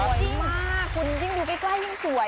ยิ่งมากคุณยิ่งดูใกล้ยิ่งสวย